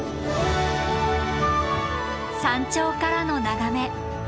山頂からの眺め。